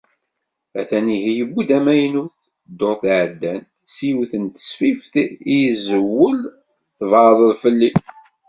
A-t-an ihi yuwi-d amaynut, ddurt iɛeddan, s yiwet n tesfift i izewwel “Tbeɛdeḍ fell-i”.